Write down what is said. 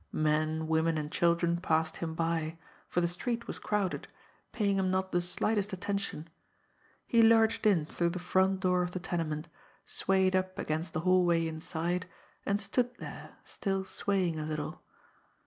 Men, women, and children passed him by for the street was crowded paying him not the slightest attention. He lurched in through the front door of the tenement, swayed up against the hallway inside and stood there, still swaying a little.